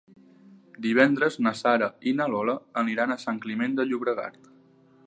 Divendres na Sara i na Lola aniran a Sant Climent de Llobregat.